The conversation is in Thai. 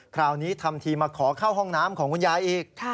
คราวนี้ทำทีมาขอเข้าห้องน้ำของคุณยายอีก